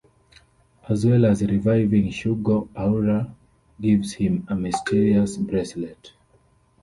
As well as reviving Shugo, Aura gives him a mysterious bracelet.